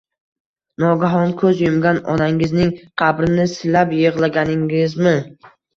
Nogahon ko’z yumgan onangizning qabrini silab yig’laganingizmi?